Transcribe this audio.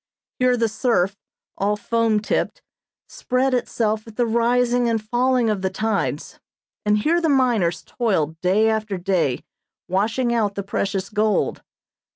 Here the surf, all foam tipped, spread itself at the rising and falling of the tides, and here the miners toiled day after day washing out the precious gold.